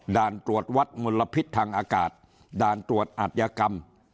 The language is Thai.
ตรวจวัดมลพิษทางอากาศด่านตรวจอัธยกรรม